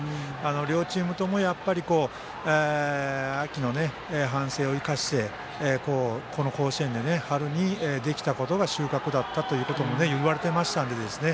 両チームとも秋の反省を生かしてこの甲子園で春にできたことが収穫だったとも言われてましたのでね。